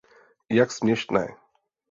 Jak směšné!